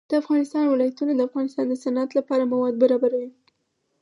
د افغانستان ولايتونه د افغانستان د صنعت لپاره مواد برابروي.